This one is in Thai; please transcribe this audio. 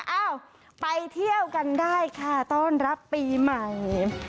อ้าวไปเที่ยวกันได้ค่ะต้อนรับปีใหม่